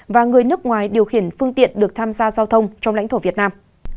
và người nước ngoài điều khiển phương tiện được tham gia giao thông trong lãnh thổ việt nam